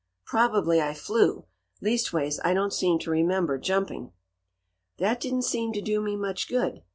Probably I flew; leastways I don't seem to remember jumping. "That didn't seem to do me much good.